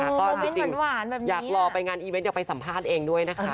โมเมนต์หวานแบบนี้จริงอยากรอไปงานอีเว้นต์เดี๋ยวไปสัมภาษณ์เองด้วยนะคะ